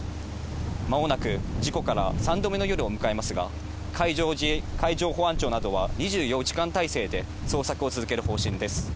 まもなく事故から３度目の夜を迎えますが、海上保安庁などは２４時間態勢で捜索を続ける方針です。